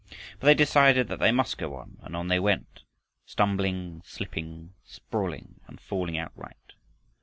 But they decided that they must go on, and on they went, stumbling, slipping, sprawling, and falling outright.